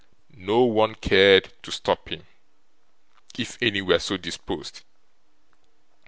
No one cared to stop him, if any were so disposed.